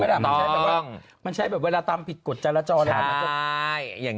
เพราะมันใช้ต้องซอง